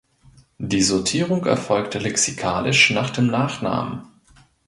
Die Sortierung erfolgt lexikalisch nach dem Nachnamen.